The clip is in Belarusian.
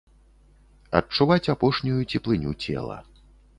Адчуваць апошнюю цеплыню цела.